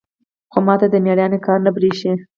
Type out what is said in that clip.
خو ما ته د ميړانې کار نه بريښي.